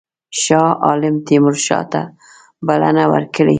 شاه عالم تیمورشاه ته بلنه ورکړې.